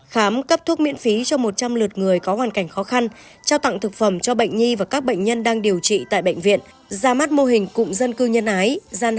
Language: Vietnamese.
khám cấp thuốc miễn phí cho một trăm linh lượt người có hoàn cảnh khó khăn trao tặng thực phẩm cho bệnh nhi và các bệnh nhân đang điều trị tại bệnh viện ra mắt mô hình cụm dân cư nhân ái gian hàng